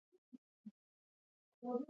د میرمنو کار د زدکړو دوام تضمین کوي.